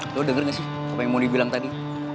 lo denger gak sih apa yang mondi bilang tadi